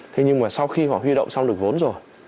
thế nhưng mà sau khi họ huy động xong được vốn rồi